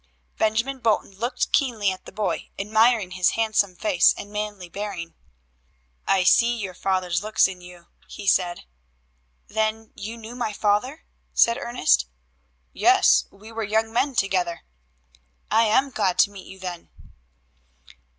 Benjamin Bolton looked keenly at the boy, admiring his handsome face and manly bearing. "I see your father's looks in you," he said. "Then you knew my father?" said Ernest. "Yes. We were young men together." "I am glad to meet you, then."